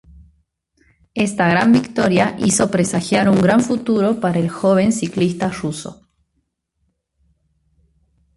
Esta gran victoria hizo presagiar un gran futuro para el joven ciclista ruso.